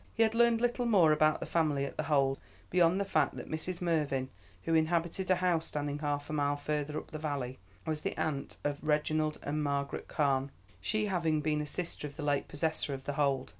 He had learned little more about the family at The Hold, beyond the fact that Mrs. Mervyn, who inhabited a house standing half a mile further up the valley, was the aunt of Reginald and Margaret Carne, she having been a sister of the late possessor of The Hold.